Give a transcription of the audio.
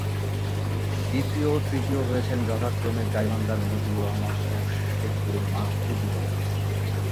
দ্বিতীয় ও তৃতীয় হয়েছেন যথাক্রমে গাইবান্ধার মজিবর রহমান ও শেরপুরের মাহফুজুর রহমান।